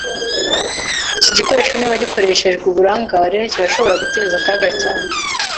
Iki gikoresho, niba gikoreshejwe uburangare, kirashobora guteza akaga cyane.